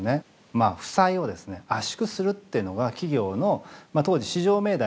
まあ負債をですね圧縮するっていうのが企業の当時至上命題なってったと。